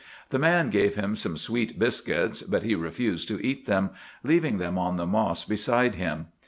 The man gave him some sweet biscuits, but he refused to eat them, leaving them on the moss beside him.